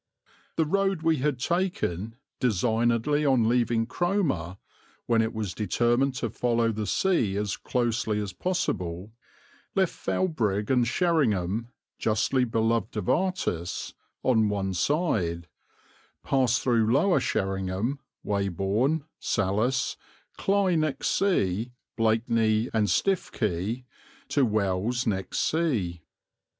The road we had taken designedly on leaving Cromer, when it was determined to follow the sea as closely as possible, left Felbrigg and Sheringham, justly beloved of artists, on one side, passed through Lower Sheringham, Weybourne, Salthouse, Cley next Sea, Blakeney, and Stiffkey to Wells next Sea.